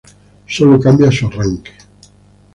Sólo cambia su arranque.